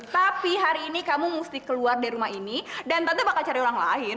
tapi hari ini kamu mesti keluar dari rumah ini dan tante bakal cari orang lain